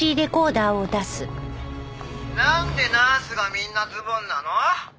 「なんでナースがみんなズボンなの？」